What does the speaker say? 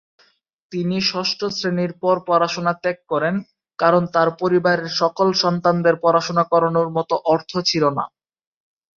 তিনি ষষ্ঠ শ্রেণির পর পড়াশোনা ত্যাগ করেন, কারণ তার পরিবারের সকল সন্তানদের পড়াশোনা করানোর মত অর্থ ছিল না।